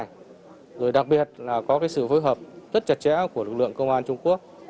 trong thời gian khá dài đặc biệt là có sự phối hợp rất chặt chẽ của lực lượng công an trung quốc